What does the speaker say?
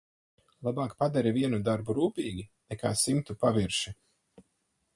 Labāk padari vienu darbu rūpīgi nekā simtu pavirši.